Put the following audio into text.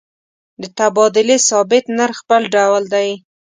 د تبادلې ثابت نرخ بل ډول دی.